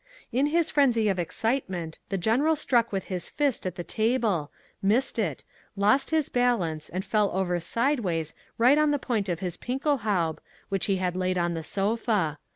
In his frenzy of excitement the General struck with his fist at the table, missed it, lost his balance and fell over sideways right on the point of his Pickelhaube which he had laid on the sofa.